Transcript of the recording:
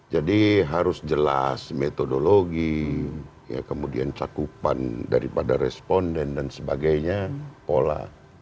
jadi harus jelas metodologi ya kemudian cakupan daripada responden dan sebagainya pola